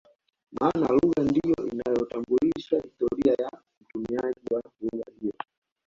Maana lugha ndio inayotambulisha historia ya mtumiaji wa lugha hiyo